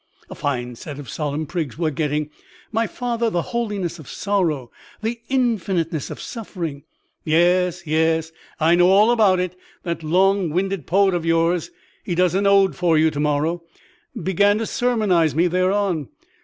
A fine set of solemn prigs we are getting!" "My father, the holiness of sorrow, the infiniteness of suffering!" "Yes, yes, I know all about it. That long winded poet of yours (he does an ode for you to morrow?) began to sermonise me thereon.